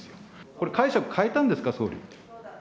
これ、解釈変えたんですか、総理。